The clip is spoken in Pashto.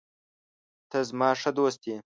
ته زما ښه دوست یې.